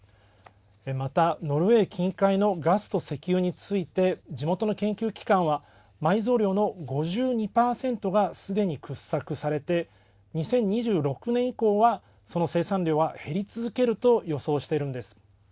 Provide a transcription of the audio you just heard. また、ノルウェー近海のガスと石油について地元の研究機関は埋蔵量の５２％が、すでに掘削されて２０２６年以降はその生産量は減り続けると予想しているんです。